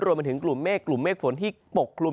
รวมไปถึงกลุ่มเมฆกลุ่มเมฆฝนที่ปกกลุ่ม